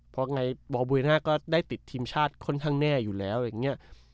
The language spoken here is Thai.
เพราะไงบอลบุรีน่าก็ได้ติดทีมชาติค่อนข้างแน่อยู่แล้วอย่างนี้